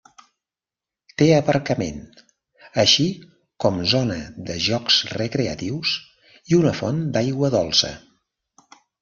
Té aparcament així com zona de jocs recreatius i una font d'aigua dolça.